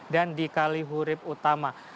dan di kalihurib utama